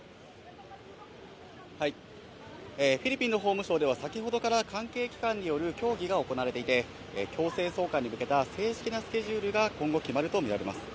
フィリピンの法務省では、先ほどから関係機関による協議が行われていて、強制送還に向けた正式なスケジュールが今後決まると見られます。